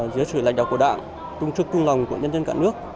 giữa sự lãnh đạo của đảng tung chức cung lòng của nhân dân cả nước